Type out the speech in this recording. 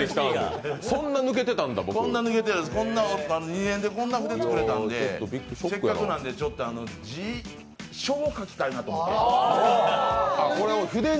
２年でこんな筆作れたんでせっかくなんで、書を書きたいなと思って。